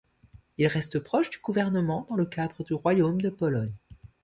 Il reste proche du gouvernement dans le cadre du royaume de Pologne.